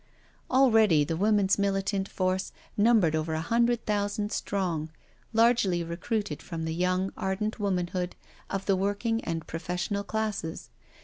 Already the woman's militant force numbered over a hundred thousand strong, largely recruited from the young, ardent womanhood of the working and professional classes.